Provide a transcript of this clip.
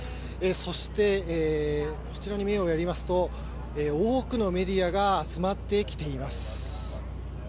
そして、こちらに目をやりますと多くのメディアが集まってきています。